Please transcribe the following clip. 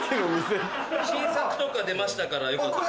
新作とか出ましたからよかったら。